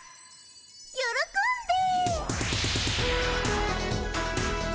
「よろこんで」。